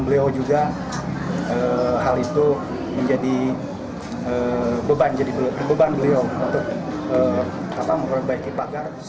beliau juga hal itu menjadi beban beliau untuk memperbaiki pagar